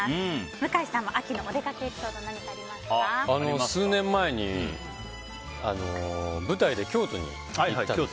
向井さんも秋のお出掛けエピソード数年前に舞台で京都に行ったんです。